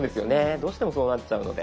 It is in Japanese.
どうしてもそうなっちゃうので。